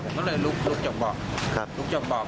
ผมก็เลยลุกจากบอก